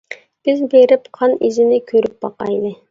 بىز بېرىپ قان ئىزىنى كۆرۈپ باقايلى.